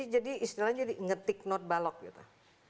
jadi istilahnya jadi ngetik not balok gitu